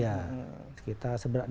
ya sekitar enam ratus ribu perbulan